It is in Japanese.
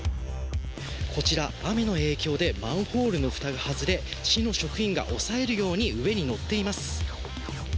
こちら雨の影響でマンホールの蓋が外れ市の職員が押さえるように上に乗っています。